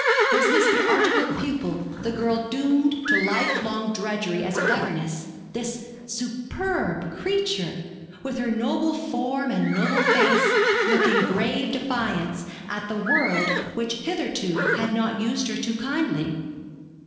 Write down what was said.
Was this the articled pupil, the girl doomed to life long drudgery as a governess, this superb creature, with her noble form and noble face, looking grave defiance at the world which hitherto had not used her too kindly?